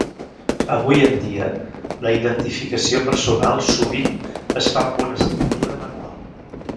Avui en dia, la identificació personal sovint es fa amb una signatura manual.